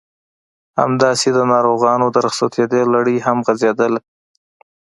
همداسې د ناروغانو د رخصتېدو لړۍ هم غزېدله.